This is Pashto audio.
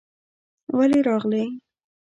ولې راغلې؟